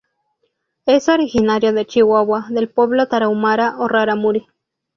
Es originario de Chihuahua, del pueblo tarahumara o rarámuri.